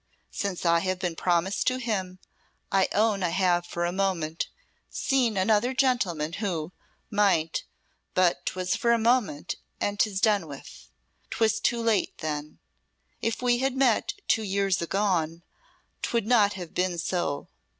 Since I have been promised to him, I own I have for a moment seen another gentleman who might but 'twas but for a moment, and 'tis done with. 'Twas too late then. If we had met two years agone 'twould not have been so.